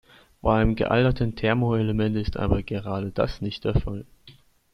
Bei einem gealterten Thermoelement ist aber gerade das nicht der Fall.